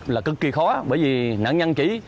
là cực kỳ khó bởi vì nạn nhân chỉ